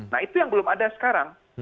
nah itu yang belum ada sekarang